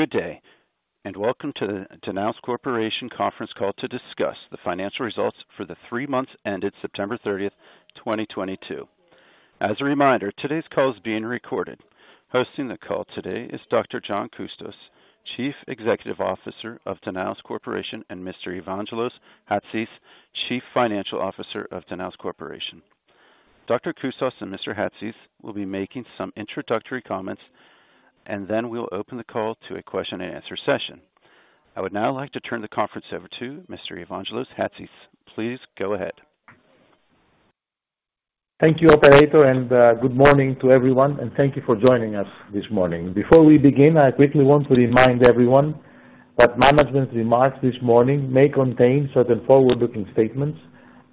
Good day, and welcome to the Danaos Corporation conference call to discuss the financial results for the three months ended September 30, 2022. As a reminder, today's call is being recorded. Hosting the call today is Dr. John Coustas, Chief Executive Officer of Danaos Corporation, and Mr. Evangelos Chatzis, Chief Financial Officer of Danaos Corporation. Dr. Coustas and Mr. Chatzis will be making some introductory comments, and then we'll open the call to a question-and-answer session. I would now like to turn the conference over to Mr. Evangelos Chatzis. Please go ahead. Thank you, operator, and good morning to everyone, and thank you for joining us this morning. Before we begin, I quickly want to remind everyone that management's remarks this morning may contain certain forward-looking statements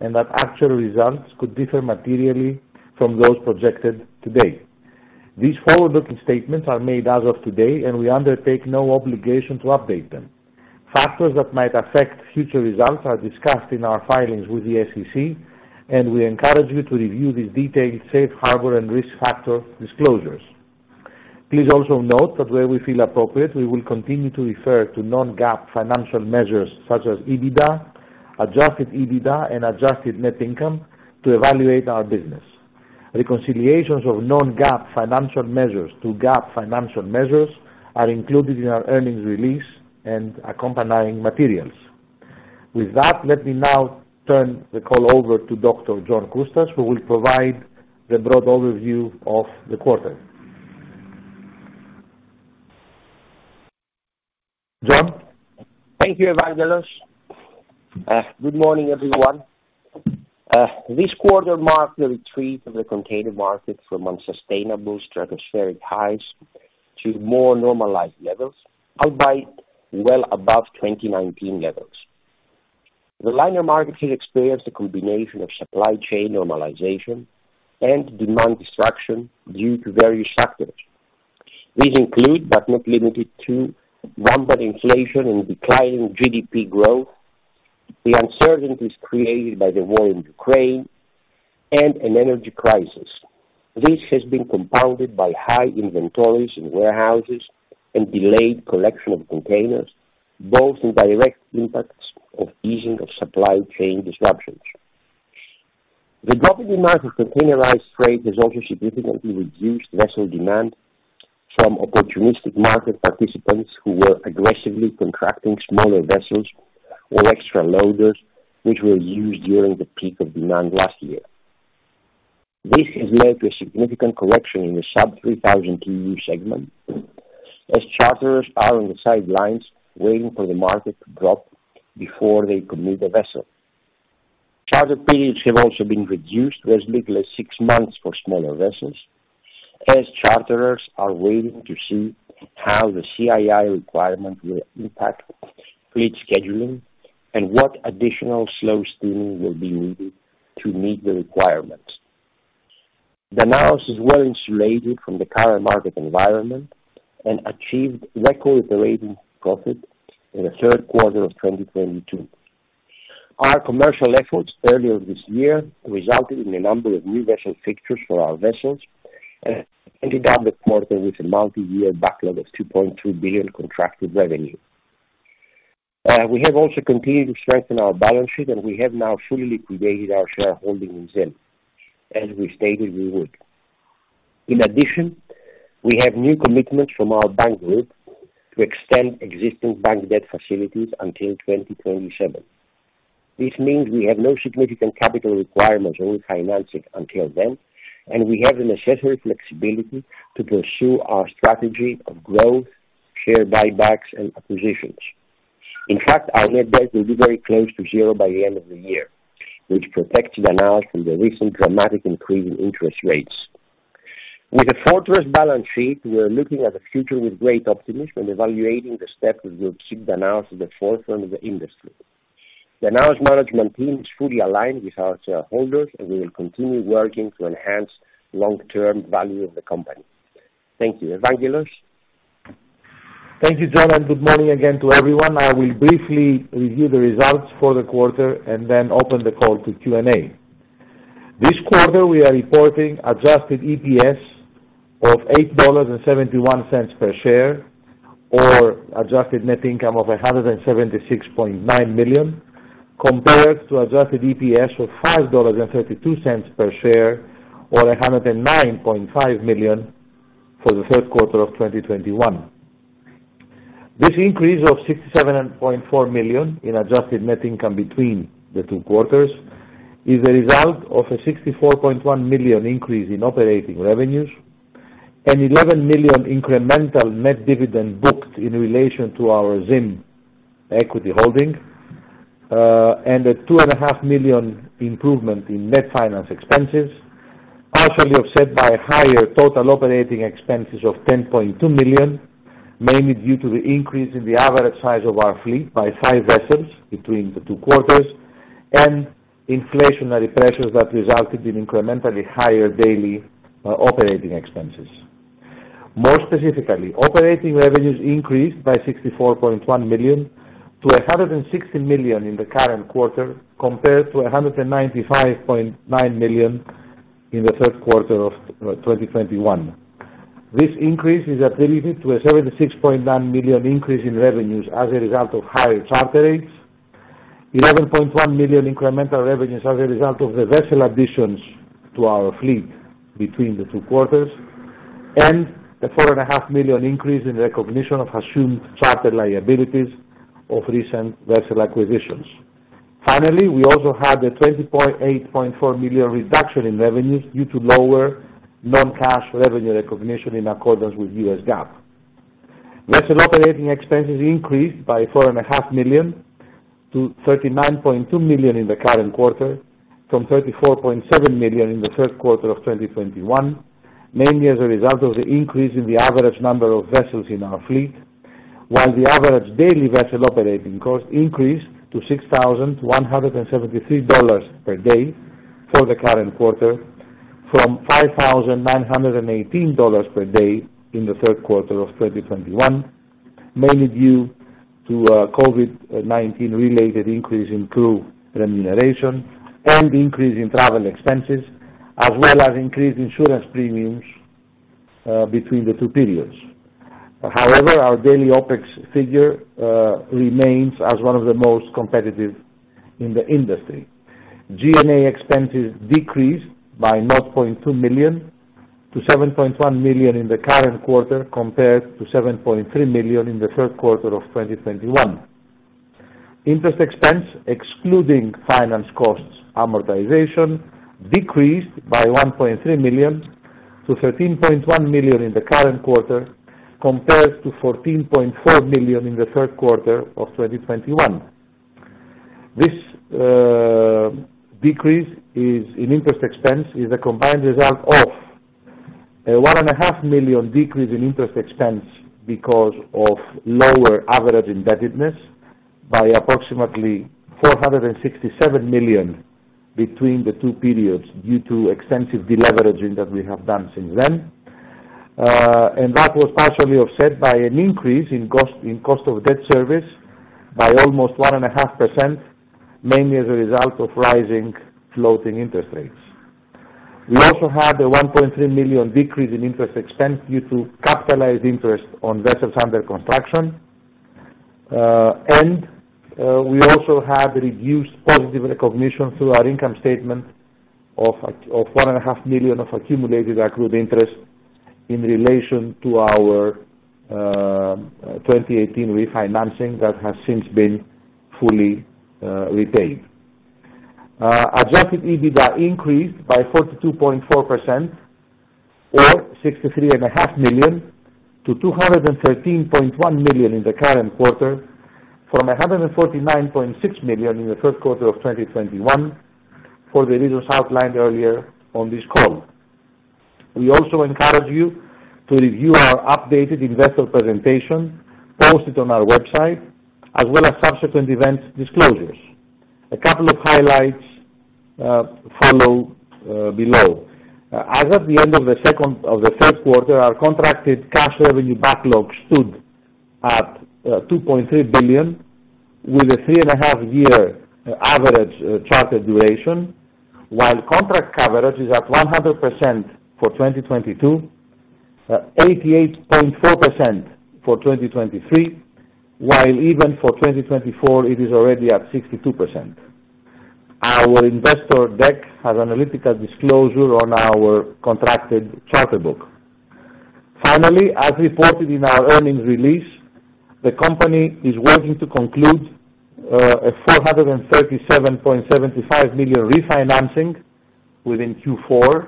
and that actual results could differ materially from those projected today. These forward-looking statements are made as of today, and we undertake no obligation to update them. Factors that might affect future results are discussed in our filings with the SEC, and we encourage you to review these detailed safe harbor and risk factor disclosures. Please also note that where we feel appropriate, we will continue to refer to non-GAAP financial measures such as EBITDA, adjusted EBITDA, and adjusted net income to evaluate our business. Reconciliations of non-GAAP financial measures to GAAP financial measures are included in our earnings release and accompanying materials. With that, let me now turn the call over to Dr. John Coustas, who will provide the broad overview of the quarter. John? Thank you, Evangelos. Good morning, everyone. This quarter marked the retreat of the container market from unsustainable stratospheric highs to more normalized levels, still well above 2019 levels. The liner market has experienced a combination of supply chain normalization and demand destruction due to various factors. These include, but are not limited to, rampant inflation and declining GDP growth, the uncertainties created by the war in Ukraine, and an energy crisis. This has been compounded by high inventories in warehouses and delayed collection of containers, both direct impacts of easing of supply chain disruptions. The drop in the market of containerized freight has also significantly reduced vessel demand from opportunistic market participants who were aggressively contracting smaller vessels or extra loaders, which were used during the peak of demand last year. This has led to a significant correction in the sub-3,000 TEU segment as charterers are on the sidelines waiting for the market to drop before they commit a vessel. Charter periods have also been reduced to as little as 6 months for smaller vessels, as charterers are waiting to see how the CII requirement will impact fleet scheduling and what additional slow steaming will be needed to meet the requirements. Danaos is well-insulated from the current market environment and achieved record operating profit in the third quarter of 2022. Our commercial efforts earlier this year resulted in a number of new vessel fixtures for our vessels into that market with a multi-year backlog of $2.2 billion contracted revenue. We have also continued to strengthen our balance sheet, and we have now fully liquidated our shareholding in ZIM, as we stated we would. In addition, we have new commitments from our bank group to extend existing bank debt facilities until 2027. This means we have no significant capital requirements or refinancing until then, and we have the necessary flexibility to pursue our strategy of growth, share buybacks and acquisitions. In fact, our net debt will be very close to zero by the end of the year, which protects Danaos from the recent dramatic increase in interest rates. With a fortress balance sheet, we are looking at the future with great optimism and evaluating the steps that will keep Danaos at the forefront of the industry. Danaos' management team is fully aligned with our shareholders, and we will continue working to enhance long-term value of the company. Thank you. Evangelos? Thank you, John, and good morning again to everyone. I will briefly review the results for the quarter and then open the call to Q&A. This quarter, we are reporting adjusted EPS of $8.71 per share, or adjusted net income of $176.9 million, compared to adjusted EPS of $5.32 per share or $109.5 million for the third quarter of 2021. This increase of $67.4 million in adjusted net income between the two quarters is a result of a $64.1 million increase in operating revenues, an $11 million incremental net dividend booked in relation to our ZIM equity holding, and a $2.5 million improvement in net finance expenses, partially offset by higher total operating expenses of $10.2 million, mainly due to the increase in the average size of our fleet by five vessels between the two quarters and inflationary pressures that resulted in incrementally higher daily operating expenses. More specifically, operating revenues increased by $64.1 million to $160 million in the current quarter compared to $195.9 million in the third quarter of 2021. This increase is attributed to a $76.9 million increase in revenues as a result of higher charter rates, $11.1 million incremental revenues as a result of the vessel additions to our fleet between the two quarters, and the $4.5 million increase in recognition of assumed charter liabilities of recent vessel acquisitions. Finally, we also had a $20.84 million reduction in revenues due to lower non-cash revenue recognition in accordance with US GAAP. Vessel operating expenses increased by $4 and a half million to $39.2 million in the current quarter from $34.7 million in the third quarter of 2021, mainly as a result of the increase in the average number of vessels in our fleet, while the average daily vessel operating cost increased to $6,173 per day for the current quarter from $5,918 per day in the third quarter of 2021, mainly due to COVID-19 related increase in crew remuneration and increase in travel expenses, as well as increased insurance premiums between the two periods. However, our daily OpEx figure remains as one of the most competitive in the industry. G&A expenses decreased by $0.2 million to $7.1 million in the current quarter compared to $7.3 million in the third quarter of 2021. Interest expense excluding finance costs amortization decreased by $1.3 million to $13.1 million in the current quarter compared to $14.4 million in the third quarter of 2021. This decrease in interest expense is a combined result of a $1.5 million decrease in interest expense because of lower average indebtedness by approximately $467 million between the two periods due to extensive deleveraging that we have done since then. That was partially offset by an increase in cost of debt service by almost 1.5%, mainly as a result of rising floating interest rates. We also had a $1.3 million decrease in interest expense due to capitalized interest on vessels under construction. We also had reduced positive recognition through our income statement of $1.5 million of accumulated accrued interest in relation to our 2018 refinancing that has since been fully repaid. Adjusted EBITDA increased by 42.4% or $63.5 million to $213.1 million in the current quarter from $149.6 million in the third quarter of 2021 for the reasons outlined earlier on this call. We also encourage you to review our updated investor presentation posted on our website, as well as subsequent event disclosures. A couple of highlights follow below. As at the end of the third quarter, our contracted cash revenue backlog stood at $2.3 billion with a 3.5-year average charter duration, while contract coverage is at 100% for 2022, 88.4% for 2023, while even for 2024 it is already at 62%. Our investor deck has analytical disclosure on our contracted charter book. Finally, as reported in our earnings release, the company is working to conclude a $437.75 million refinancing within Q4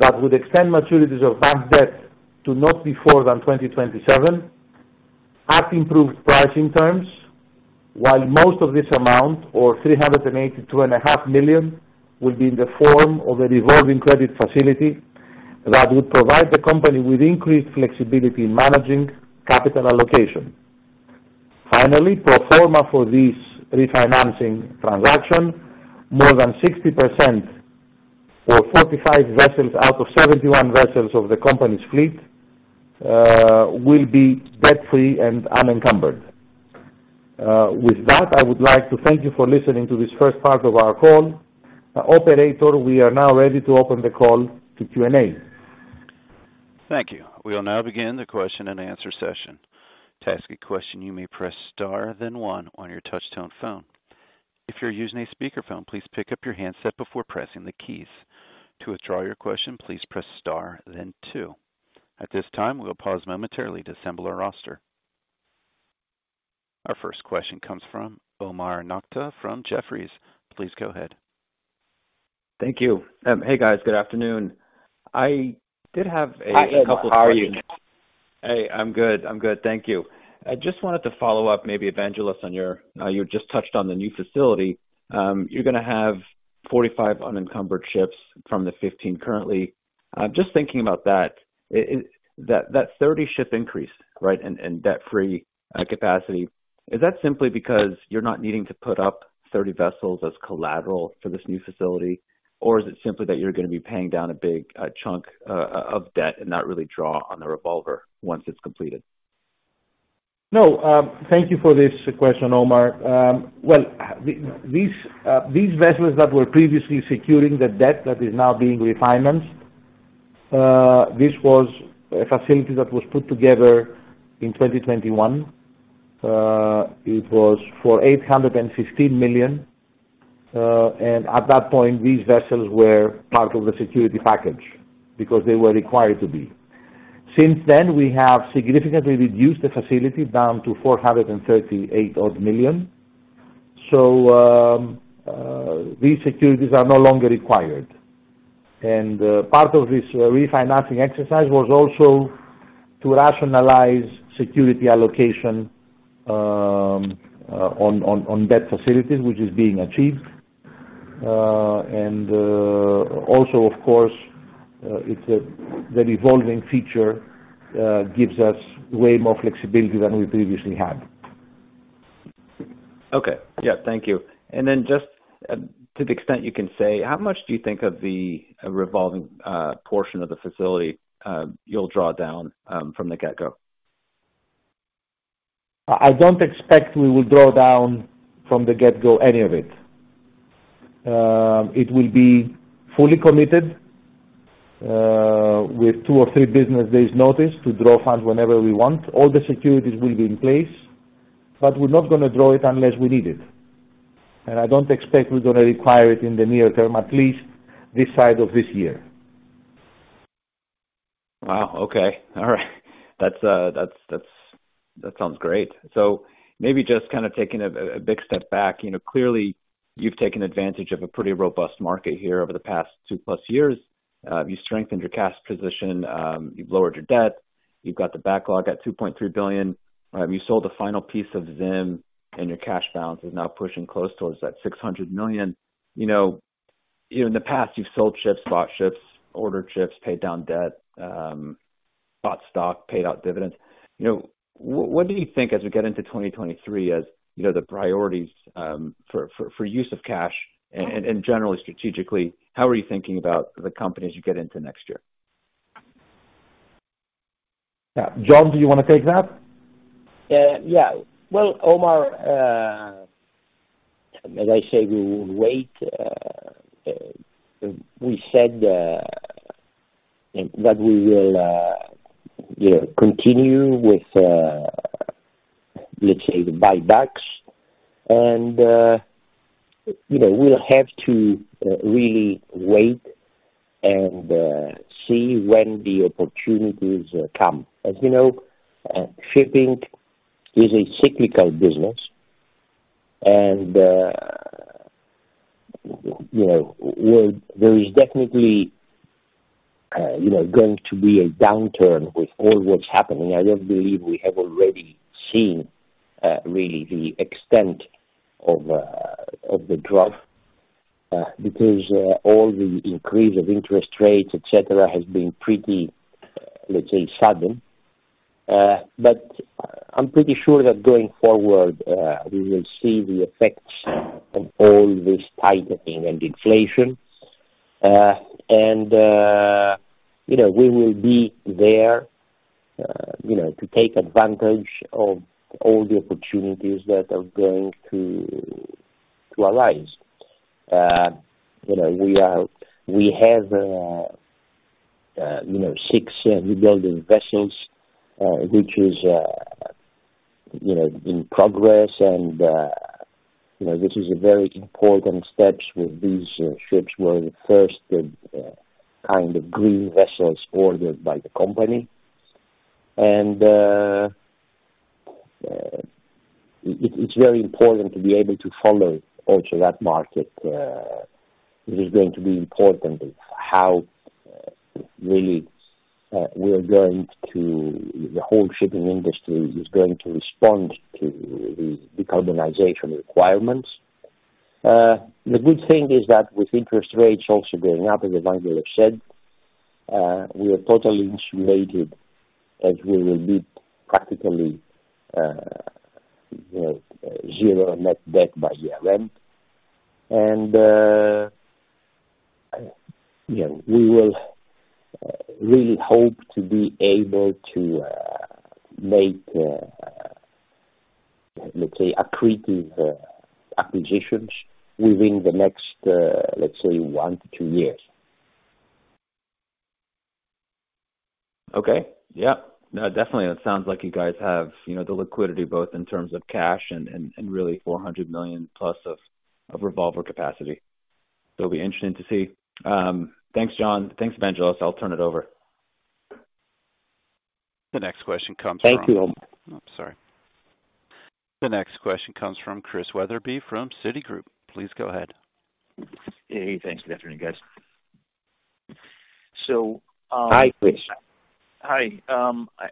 that would extend maturities of bank debt to not before than 2027 at improved pricing terms, while most of this amount or $382.5 million will be in the form of a revolving credit facility that would provide the company with increased flexibility in managing capital allocation. Finally, pro forma for this refinancing transaction, more than 60% or 45 vessels out of 71 vessels of the company's fleet will be debt-free and unencumbered. With that, I would like to thank you for listening to this first part of our call. Operator, we are now ready to open the call to Q&A. Thank you. We will now begin the question and answer session. To ask a question you may press star then one on your touch tone phone. If you're using a speaker phone, please pick up your handset before pressing the keys. To withdraw your question, please press star then two. At this time, we'll pause momentarily to assemble our roster. Our first question comes from Omar Nokta from Jefferies. Please go ahead. Thank you. Hey, guys. Good afternoon. I did have a couple of questions. Hi, Omar. How are you? Hey, I'm good. I'm good. Thank you. I just wanted to follow up maybe Evangelos on your, you just touched on the new facility. You're gonna have 45 unencumbered ships from the 15 currently. Just thinking about that 30 ship increase, right, and debt-free capacity, is that simply because you're not needing to put up 30 vessels as collateral for this new facility? Or is it simply that you're gonna be paying down a big chunk of debt and not really draw on the revolver once it's completed? No, thank you for this question, Omar. Well, these vessels that were previously securing the debt that is now being refinanced, this was a facility that was put together in 2021. It was for $815 million. And at that point, these vessels were part of the security package because they were required to be. Since then, we have significantly reduced the facility down to $438 million odd. These securities are no longer required. Part of this refinancing exercise was also to rationalize security allocation on debt facilities, which is being achieved. Also, of course, it's the revolving feature that gives us way more flexibility than we previously had. Okay. Yeah, thank you. Just, to the extent you can say, how much do you think of the revolving portion of the facility you'll draw down from the get-go? I don't expect we will draw down from the get-go any of it. It will be fully committed, with two or three business days' notice to draw funds whenever we want. All the securities will be in place, but we're not gonna draw it unless we need it. I don't expect we're gonna require it in the near term, at least this side of this year. Wow. Okay. All right. That sounds great. Maybe just kinda taking a big step back. You know, clearly you've taken advantage of a pretty robust market here over the past 2+ years. You strengthened your cash position, you've lowered your debt, you've got the backlog at $2.3 billion. You sold the final piece of ZIM, and your cash balance is now pushing close towards that $600 million. You know, in the past, you've sold ships, bought ships, ordered ships, paid down debt, bought stock, paid out dividends. You know, what do you think as we get into 2023, you know, the priorities for use of cash? And generally, strategically, how are you thinking about the company as you get into next year? Yeah. John, do you wanna take that? Yeah. Well, Omar, as I say, we will wait. We said that we will, you know, continue with, let's say, the buybacks. You know, we'll have to really wait and see when the opportunities come. As you know, shipping is a cyclical business, and you know, there is definitely you know, going to be a downturn with all what's happening. I don't believe we have already seen really the extent of the drop because all the increase of interest rates, et cetera, has been pretty, let's say, sudden. I'm pretty sure that going forward, we will see the effects of all this tightening and inflation. You know, we will be there, you know, to take advantage of all the opportunities that are going to arise. You know, we have 6 newbuilding vessels, you know, which is in progress. You know, this is a very important steps with these ships were the first kind of green vessels ordered by the company. It's very important to be able to follow also that market. It is going to be important how really the whole shipping industry is going to respond to the decarbonization requirements. The good thing is that with interest rates also going up, as Evangelos said, we are totally insulated as we will be practically, you know, zero net debt by year-end. you know, we will really hope to be able to make, let's say, accretive acquisitions within the next, let's say, 1-2 years. Okay. Yeah. No, definitely. It sounds like you guys have, you know, the liquidity both in terms of cash and really $400 million plus of revolver capacity. It'll be interesting to see. Thanks, John. Thanks, Evangelos. I'll turn it over. The next question comes from. Thank you. Oh, sorry. The next question comes from Chris Wetherbee from Citigroup. Please go ahead. Hey. Thanks. Good afternoon, guys. Hi, Chris. Hi.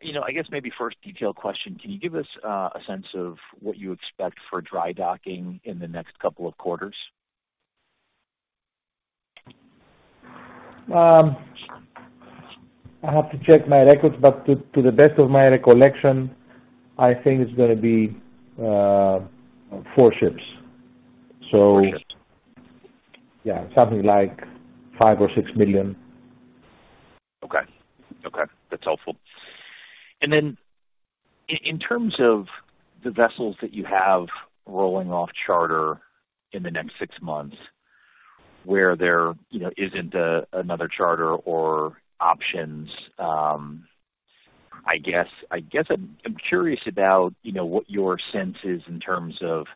You know, I guess maybe first detailed question. Can you give us a sense of what you expect for dry docking in the next couple of quarters? I have to check my records, but to the best of my recollection, I think it's gonna be four ships. Four ships. Yeah. Something like $5 or $6 million. Okay. Okay, that's helpful. Then in terms of the vessels that you have rolling off charter in the next six months where there, you know, isn't another charter or options, I guess I'm curious about, you know, what your sense is in terms of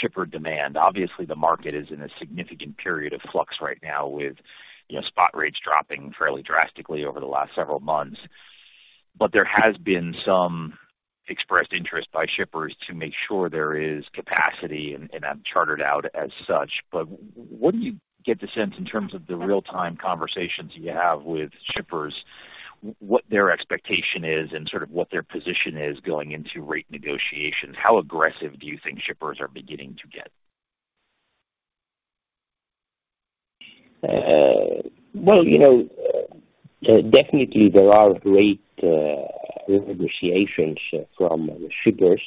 shipper demand. Obviously, the market is in a significant period of flux right now with, you know, spot rates dropping fairly drastically over the last several months. There has been some expressed interest by shippers to make sure there is capacity and chartered out as such. What do you get the sense in terms of the real time conversations you have with shippers, what their expectation is and sort of what their position is going into rate negotiations? How aggressive do you think shippers are beginning to get? Well, you know, definitely there are great negotiations from shippers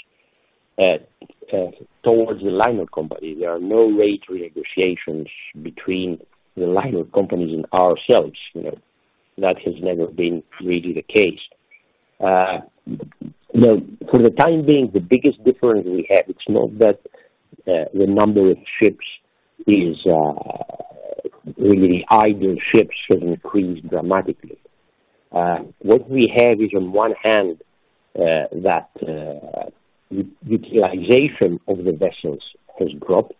towards the liner company. There are no rate negotiations between the liner companies and ourselves. You know, that has never been really the case. Well, for the time being, the biggest difference we have, it's not that the number of ships is really idle ships has increased dramatically. What we have is on one hand, that utilization of the vessels has dropped.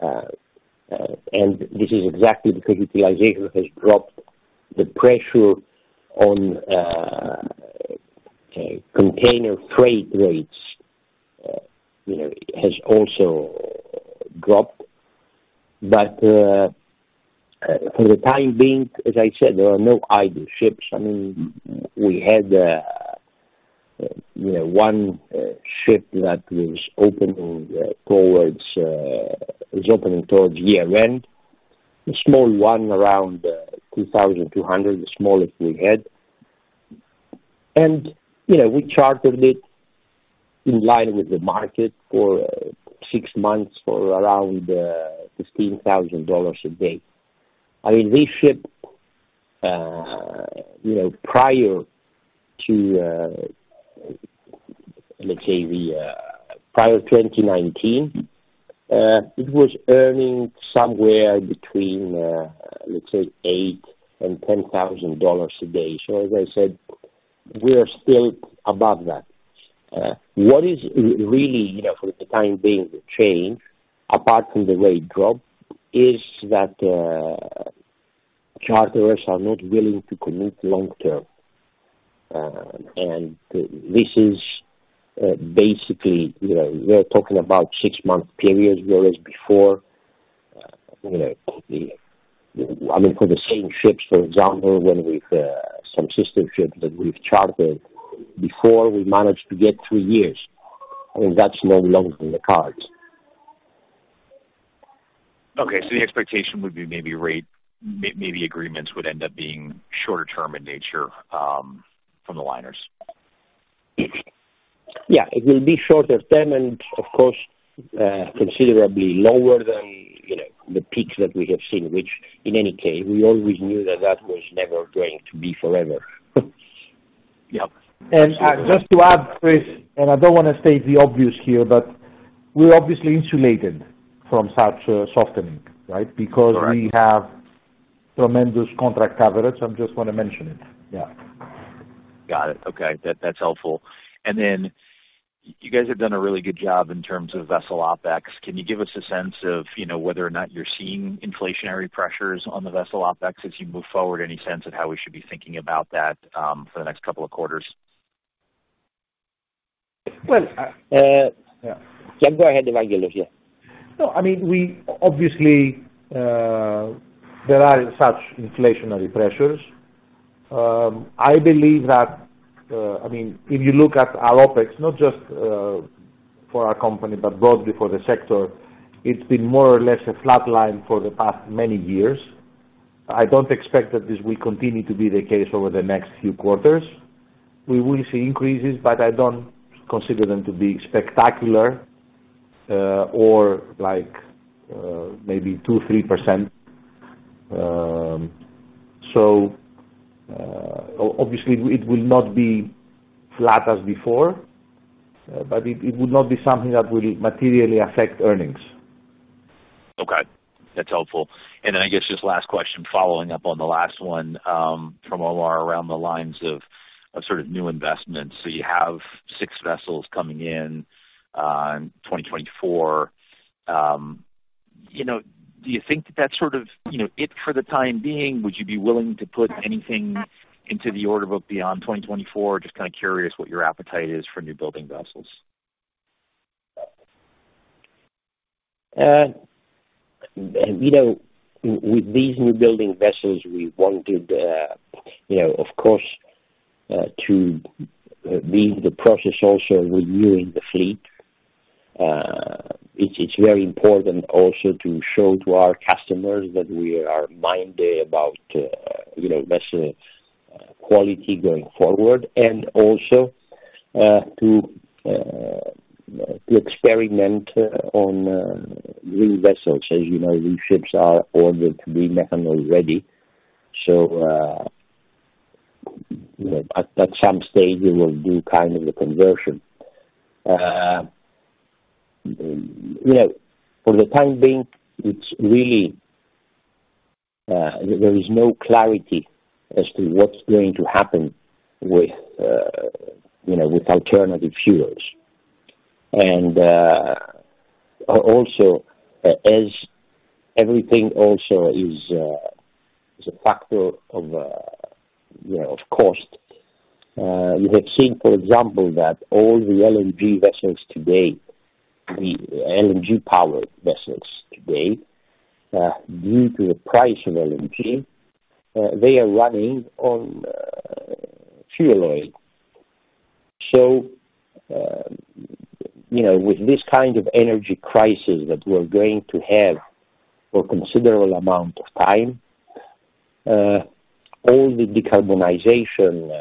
And this is exactly because utilization has dropped, the pressure on container freight rates, you know, has also dropped. For the time being, as I said, there are no idle ships. I mean, we had, you know, one ship that is opening towards year-end, a small one around 2,200, the smallest we had. You know, we chartered it in line with the market for six months for around $15,000 a day. I mean, this ship, you know, prior to, let's say, 2019, it was earning somewhere between, let's say, $8,000-$10,000 a day. As I said, we are still above that. What is really, you know, for the time being the change, apart from the rate drop is that, charterers are not willing to commit long term. This is, basically, you know, we are talking about six-month periods whereas before, you know, the I mean, for the same ships, for example, when we've some sister ships that we've chartered before, we managed to get two years. I mean, that's no longer in the cards. Okay. The expectation would be maybe rate agreements would end up being shorter term in nature from the liners. Yeah. It will be shorter term and of course, considerably lower than, you know, the peaks that we have seen, which in any case, we always knew that that was never going to be forever. Yep. Just to add, Chris, and I don't wanna state the obvious here, but we're obviously insulated from such a softening, right? Correct. Because we have tremendous contract coverage. I just wanna mention it. Yeah. Got it. Okay. That's helpful. You guys have done a really good job in terms of vessel OpEx. Can you give us a sense of, you know, whether or not you're seeing inflationary pressures on the vessel OpEx as you move forward? Any sense of how we should be thinking about that for the next couple of quarters? Well. Yeah. Yeah, go ahead, Evangelos. Yeah. No. I mean, we obviously, there are such inflationary pressures. I believe that, I mean, if you look at our OpEx, not just for our company, but broadly for the sector, it's been more or less a flat line for the past many years. I don't expect that this will continue to be the case over the next few quarters. We will see increases, but I don't consider them to be spectacular, or like, maybe 2%-3%. Obviously it will not be flat as before, but it would not be something that will materially affect earnings. Okay. That's helpful. I guess just last question, following up on the last one, from Omar along the lines of sort of new investments. You have six vessels coming in in 2024. You know, do you think that's sort of, you know, it for the time being? Would you be willing to put anything into the order book beyond 2024? Just kinda curious what your appetite is for newbuilding vessels. You know, with these newbuilding vessels, we wanted, you know, of course, to leave the process also renewing the fleet. It's very important also to show to our customers that we are minded about, you know, vessel quality going forward, to experiment on new vessels. As you know, new ships are ordered to be methanol-ready. You know, at some stage we will do kind of the conversion. You know, for the time being, it's really there is no clarity as to what's going to happen with, you know, with alternative fuels. Also, as everything also is a factor of, you know, of cost. You have seen, for example, that all the LNG vessels today, the LNG powered vessels today, due to the price of LNG, they are running on fuel oil. You know, with this kind of energy crisis that we're going to have for considerable amount of time, all the decarbonization,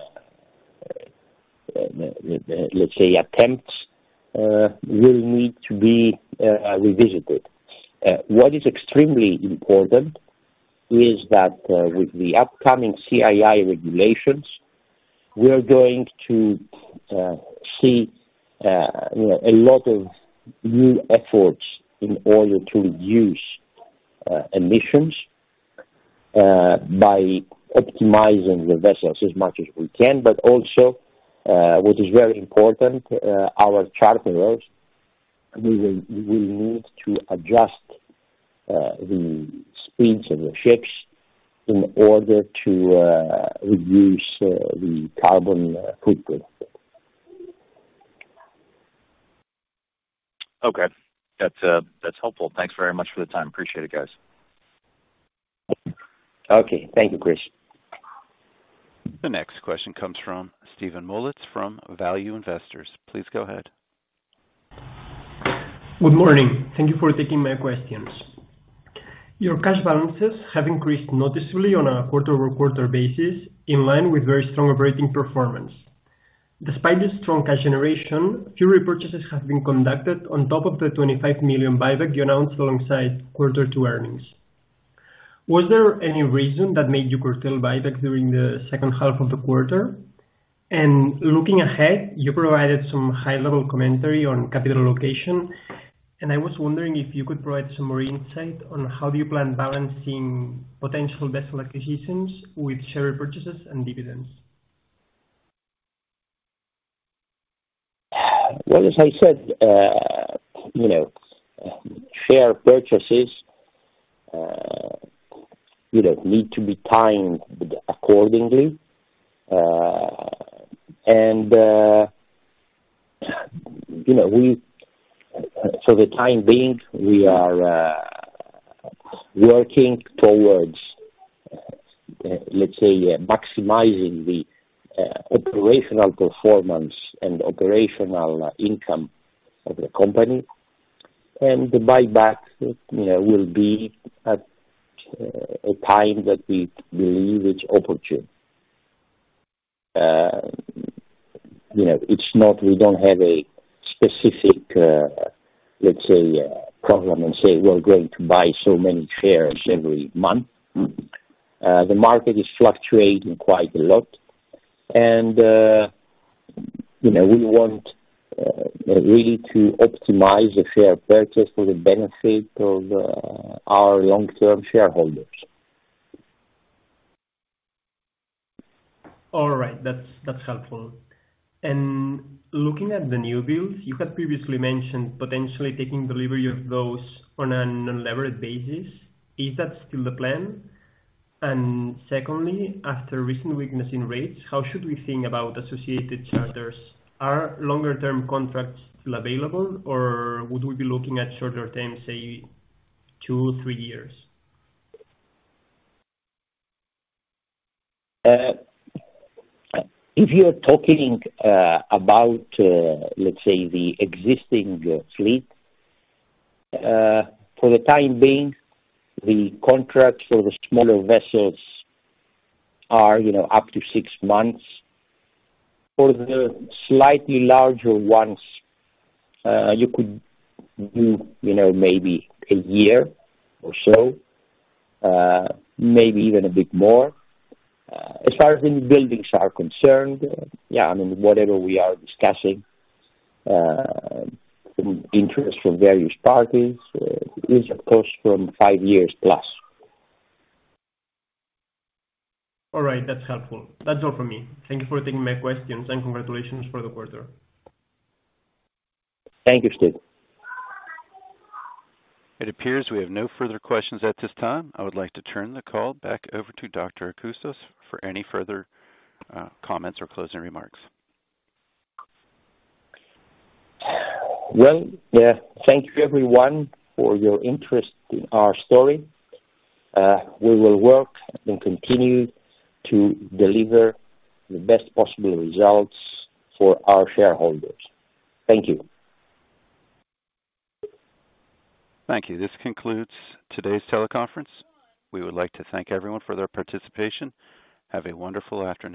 let's say attempts, will need to be revisited. What is extremely important is that, with the upcoming CII regulations, we are going to see, you know, a lot of new efforts in order to reduce emissions, by optimizing the vessels as much as we can, but also, what is very important, our charterers, we will need to adjust the speeds of the ships in order to reduce the carbon footprint. Okay. That's helpful. Thanks very much for the time. Appreciate it, guys. Okay. Thank you, Chris. The next question comes from Clement Mullins from Value Investor's Edge. Please go ahead. Good morning. Thank you for taking my questions. Your cash balances have increased noticeably on a quarter-over-quarter basis, in line with very strong operating performance. Despite this strong cash generation, few repurchases have been conducted on top of the $25 million buyback you announced alongside quarter two earnings. Was there any reason that made you curtail buyback during the second half of the quarter? Looking ahead, you provided some high-level commentary on capital allocation, and I was wondering if you could provide some more insight on how you plan balancing potential vessel acquisitions with share repurchases and dividends. Well, as I said, you know, share purchases, you know, need to be timed accordingly. For the time being, we are working towards, let's say maximizing the operational performance and operational income of the company. The buyback, you know, will be at a time that we believe it's opportune. You know, it's not we don't have a specific, let's say, problem and say, we're going to buy so many shares every month. The market is fluctuating quite a lot and, you know, we want really to optimize the share purchase for the benefit of our long-term shareholders. All right. That's helpful. Looking at the new builds, you had previously mentioned potentially taking delivery of those on an unlevered basis. Is that still the plan? Secondly, after recent weakness in rates, how should we think about associated charters? Are longer term contracts still available, or would we be looking at shorter term, say 2, 3 years? If you're talking about, let's say, the existing fleet, for the time being, the contracts for the smaller vessels are, you know, up to 6 months. For the slightly larger ones, you could do, you know, maybe a year or so, maybe even a bit more. As far as the newbuildings are concerned, yeah, I mean, whatever we are discussing, interest from various parties is of course from 5 years plus. All right. That's helpful. That's all from me. Thank you for taking my questions, and congratulations for the quarter. Thank you, Steve. It appears we have no further questions at this time. I would like to turn the call back over to Dr. John Coustas for any further comments or closing remarks. Well, thank you everyone for your interest in our story. We will work and continue to deliver the best possible results for our shareholders. Thank you. Thank you. This concludes today's teleconference. We would like to thank everyone for their participation. Have a wonderful afternoon.